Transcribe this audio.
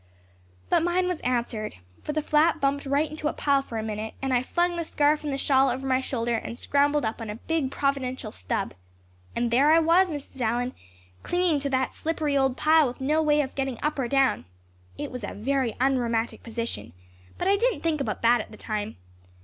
But mine was answered, for the flat bumped right into a pile for a minute and I flung the scarf and the shawl over my shoulder and scrambled up on a big providential stub. And there I was, Mrs. Allan, clinging to that slippery old pile with no way of getting up or down. It was a very unromantic position, but I didn't think about that at the time.